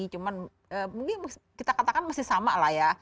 cuman mungkin kita katakan masih sama lah ya